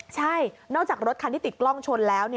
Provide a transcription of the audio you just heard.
ใช่นอกจากรถคันที่ติดกล้องชนแล้ว